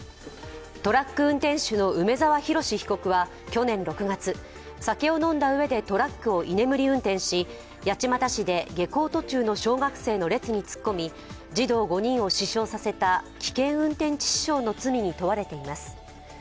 トラック運転手の梅沢洋被告は去年６月、酒を飲んだ上でトラックを居眠り運転し、八街市で下校途中の小学生の列に突っ込み、児童５人を死傷させた危険運転致死傷の罪に問われています。